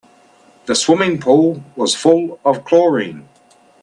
The swimming pool was full of chlorine.